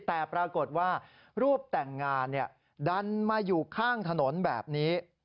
แต่ปรากฏว่ารูปแต่งงานดันมาอยู่ข้างถนนแบบนี้